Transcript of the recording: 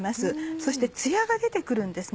そしてツヤが出て来るんです